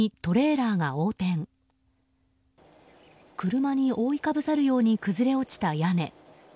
車に覆いかぶさるように崩れ落ちた屋根。